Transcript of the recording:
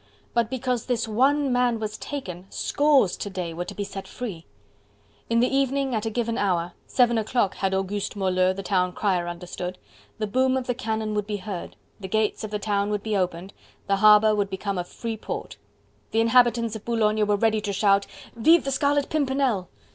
But because this one man was taken, scores to day were to be set free! In the evening at a given hour seven o'clock as Auguste Moleux, the town crier, understood the boom of the cannon would be heard, the gates of the town would be opened, the harbour would become a free port. The inhabitants of Boulogne were ready to shout: "Vive the Scarlet Pimpernel!"